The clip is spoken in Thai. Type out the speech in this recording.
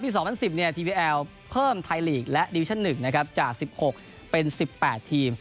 ๒๐๑๐เนี่ยทีวีแอลเพิ่มไทยลีกและดิวิชั่น๑นะครับจาก๑๖เป็น๑๘ทีม